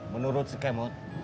menurut si kemot